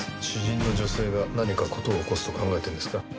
詩人の女性が何か事を起こすと考えてるんですか？